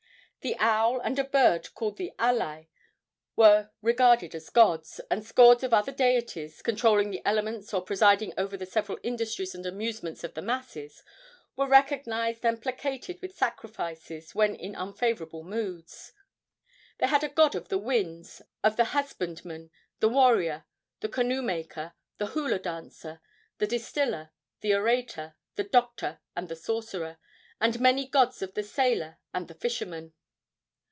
The owl and a bird called the alae were regarded as gods, and scores of other deities, controlling the elements or presiding over the several industries and amusements of the masses, were recognized and placated with sacrifices when in unfavorable moods. They had a god of the winds, of the husbandman, the warrior, the canoe maker, the hula dancer, the distiller, the orator, the doctor and the sorcerer, and many gods of the sailor and the fisherman.